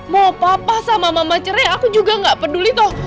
mau papa sama mama cerai aku juga gak peduli toh